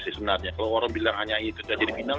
sebenarnya kalau orang bilang hanya itu saja di final